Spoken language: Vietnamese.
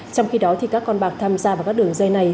trong khi đó các con bạc tham gia vào các đường dây này